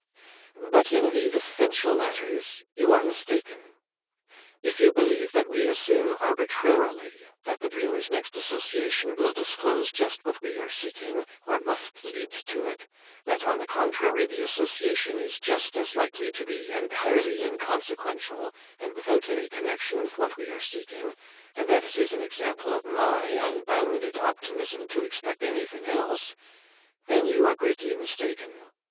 But in the essential matters you are mistaken. If you believe that we assume arbitrarily that the dreamer's next association will disclose just what we are seeking, or must lead to it, that on the contrary the association is just as likely to be entirely inconsequential, and without any connection with what we are seeking, and that it is an example of my unbounded optimism to expect anything else, then you are greatly mistaken.